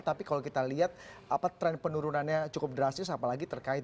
tapi kalau kita lihat tren penurunannya cukup drastis apalagi terkait